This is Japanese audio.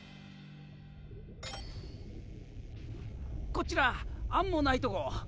こちらアンモナイト号！